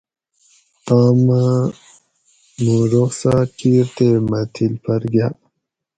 توم اٞ مُوں رُخصاٞت کِیر تے مٞہ تھِل پھر گاٞ